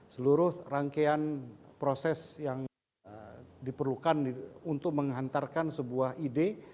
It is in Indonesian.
seluruh rangkaian proses yang diperlukan untuk menghantarkan sebuah ide